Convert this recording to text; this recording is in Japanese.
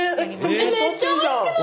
めっちゃ惜しくない？